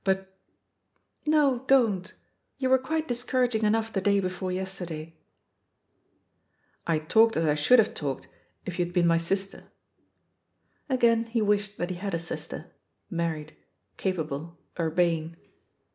But " "No, don't I You were quite discouraging enough the day before yesterday." "I talked as I should have talked if you'd been 194 THE POSITION OF PEGGY HARPER my sister." Again he wished that he had a sister, married, capable, urbane.